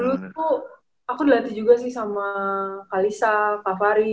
dulu tuh aku dilatih juga sih sama kalisa kak fahri